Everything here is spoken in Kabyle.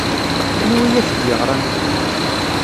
Aniwa ay ak-d-yeɣran?